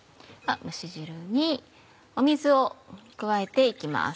蒸し汁に水を加えて行きます。